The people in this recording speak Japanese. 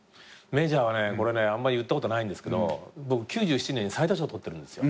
メジャーはねあんまり言ったことないんですけど僕９７年に最多勝取ってるんですよ。